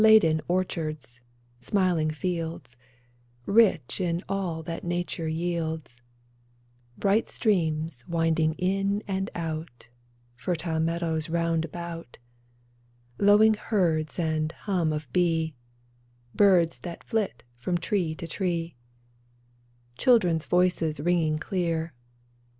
Laden orchards, smiling fields, Rich in all that nature yields ; Bright streams winding in and out Fertile meadows round about, Lowing herds and hum of bee, Birds that flit from tree to tree, Children's voices ringing clear.